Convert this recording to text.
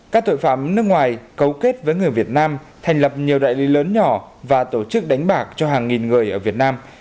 các tội phạm nước ngoài cấu kết với người việt nam thành lập nhiều đại lý lớn nhỏ và tổ chức đánh bạc cho hàng nghìn người ở việt nam